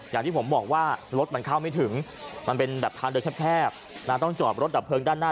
อย่างที่ผมบอกว่ารถมันเข้าไม่ถึงมันเป็นแบบทางเดินแคบต้องจอดรถดับเพลิงด้านหน้า